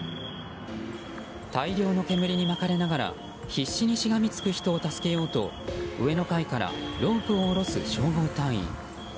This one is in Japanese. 大量の煙に巻かれながら必死にしがみつく人を助けようと上の階からロープを下ろす消防隊員。